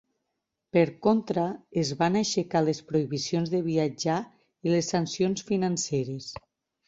Per contra, es van aixecar les prohibicions de viatjar i les sancions financeres.